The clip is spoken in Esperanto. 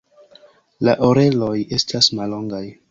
La oreloj estas mallongaj.